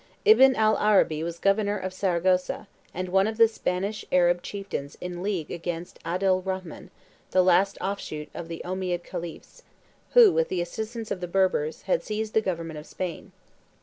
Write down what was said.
Ibn al Arabi was governor of Saragossa, and one of the Spanish Arab chieftains in league against Abdel Rhaman, the last offshoot of the Ommiad khalifs, who, with the assistance of the Berbers, had seized the government of Spain.